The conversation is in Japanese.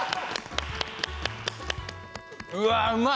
うわうまい！